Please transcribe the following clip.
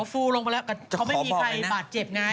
เขาไม่มีใครบาดเจ็บไง